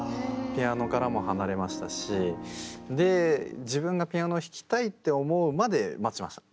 ピアノからも離れましたしで自分がピアノを弾きたいって思うまで待ちました。